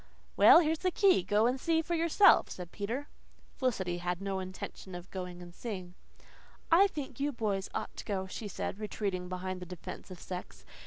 "Well, here's the key go and see for yourself," said Peter. Felicity had no intention of going and seeing. "I think you boys ought to go," she said, retreating behind the defence of sex.